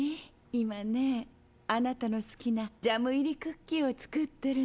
今ね貴方の好きなジャム入りクッキーを作ってるの。